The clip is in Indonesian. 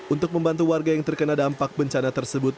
untuk membantu warga yang terkena dampak bencana tersebut